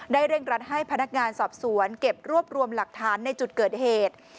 เร่งรัดให้พนักงานสอบสวนเก็บรวบรวมหลักฐานในจุดเกิดเหตุ